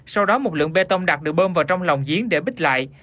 sau đó một lượng bê tông đặt được bơm vào trong lòng giếng để bích lại